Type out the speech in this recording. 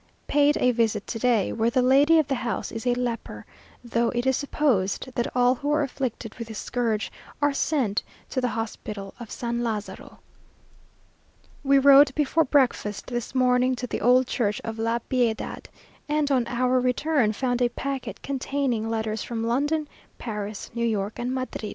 Paid a visit to day, where the lady of the house is a leper; though it is supposed that all who are afflicted with this scourge are sent to the hospital of San Lazaro.... We rode before breakfast this morning to the old church of La Piedad, and, on our return, found a packet containing letters from London, Paris, New York, and Madrid.